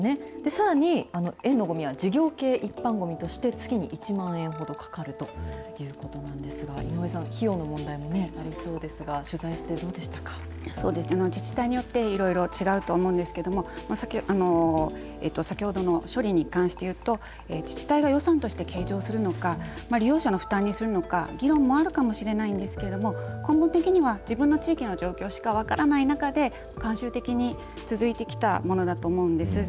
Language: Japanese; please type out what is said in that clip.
さらに、園のごみは事業系一般ごみとして月に１万円ほどかかるということなんですが、井上さん、費用の問題もありそうですが、取材してど自治体によって、いろいろ違うと思うんですけれども、先ほどの処理に関していうと、自治体が予算として計上するのか、利用者の負担にするのか議論もあるかもしれないんですけれども、根本的には、自分の地域の状況しか分からない中で、慣習的に続いてきたものだと思うんです。